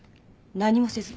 何もせずに。